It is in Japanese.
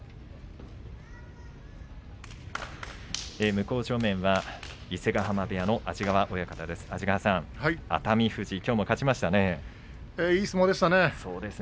向正面は伊勢ヶ濱部屋の安治川親方です。